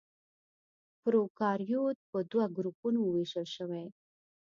پروکاريوت په دوه ګروپونو وېشل شوي.